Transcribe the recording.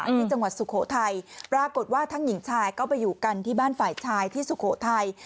ที่จังหวัดสุโขทัยปรากฏว่าทั้งหญิงชายก็ไปอยู่กันที่บ้านฝ่ายชายที่สุโขทัย